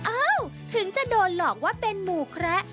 อ้าวถึงจะโดนหลอกว่าเป็นหมู่แคระ